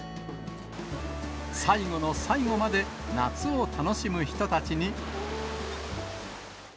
最後の最後まで夏を楽しむ人たちに。